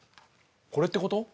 これってこと？